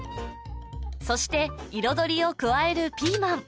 そして彩りを加えるピーマン